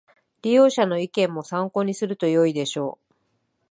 利用者の意見も参考にするとよいでしょう